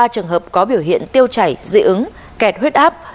ba trường hợp có biểu hiện tiêu chảy dị ứng kẹt huyết áp